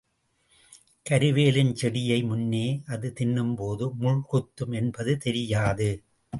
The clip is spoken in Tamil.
கருவேலஞ் செடியை முன்னே அது தின்னும்போது, முள் குத்தும் என்பது தெரியாது.